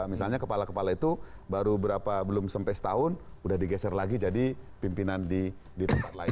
misalnya kepala kepala itu baru berapa belum sampai setahun sudah digeser lagi jadi pimpinan di tempat lain